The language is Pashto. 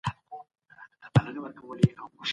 اقتصاد د بهرنیو مرستو ته اړتیا لري.